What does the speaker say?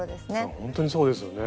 ほんとにそうですよね。